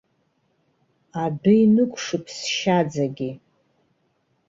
Адәы инықәшып сшьаӡагьы!